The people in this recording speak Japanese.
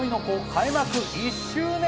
開幕１周年